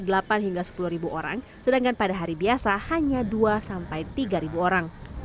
delapan hingga sepuluh orang sedangkan pada hari biasa hanya dua sampai tiga orang